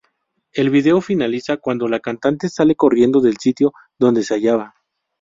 El video finaliza cuando la cantante sale corriendo del sitio donde se hallaba.